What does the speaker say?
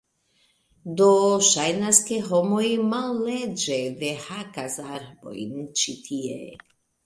Do, ŝajnas ke homoj malleĝe dehakas arbojn ĉi tie.